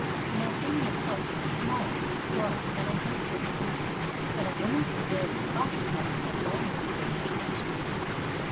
An Athenian house was small, dark, and uncomfort able, and a woman's day was occupied with a long round of monotonous work.